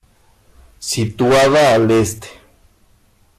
Situada al este.